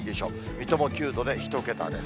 水戸も９度で１桁です。